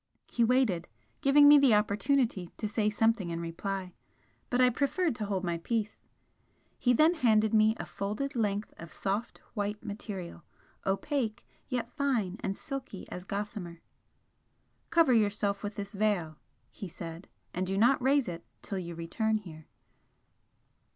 He waited giving me the opportunity to say something in reply but I preferred to hold my peace. He then handed me a folded length of soft white material, opaque, yet fine and silky as gossamer. "Cover yourself with this veil," he said "and do not raise it till you return here."